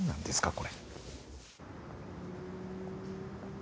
これ。